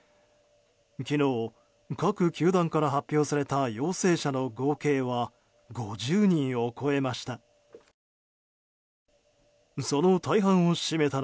昨日、各球団から発表された陽性者の合計は５０人を超えました。